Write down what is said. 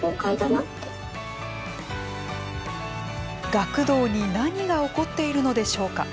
学童に何が起こっているのでしょうか。